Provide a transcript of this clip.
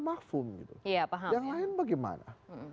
makfum gitu yang lain bagaimana